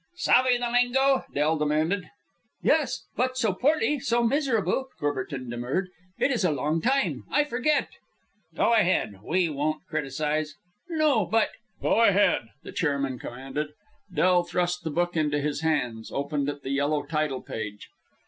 "Savve the lingo?" Del demanded. "Yes; but so poorly, so miserable," Courbertin demurred. "It is a long time. I forget." "Go ahead. We won't criticise." "No, but " "Go ahead!" the chairman commanded. Del thrust the book into his hands, opened at the yellow title page.